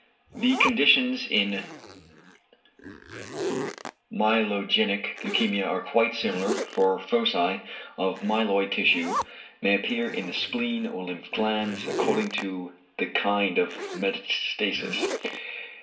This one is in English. The conditions in myelogenic leukæmia are quite similar, for foci of myeloid tissue may appear in the spleen or lymph glands according to the kind of metastasis.